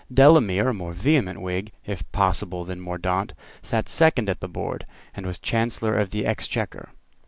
Delamere, a more vehement Whig, if possible, than Mordaunt, sate second at the board, and was Chancellor of the Exchequer.